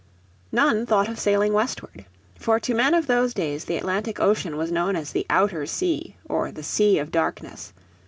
None thought of sailing westward. For to men of those days the Atlantic Ocean was known as the Outer Sea or the Sea of Darkness.